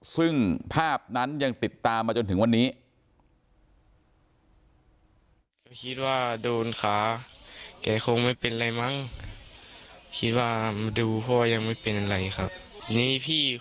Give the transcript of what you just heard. ซึ่งภาพนั้นยังติดตามมาจนถึงวันนี้